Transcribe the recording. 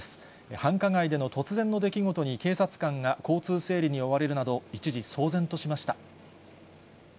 繁華街での突然の出来事に、警察官が交通整理に追われるなど、一時、騒然としました。